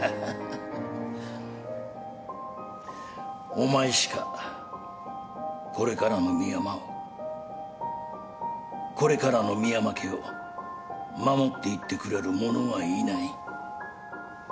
お前しかこれからの深山をこれからの深山家を守っていってくれる者はいない。